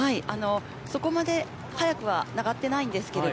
そこまで早くは上がってないんですけど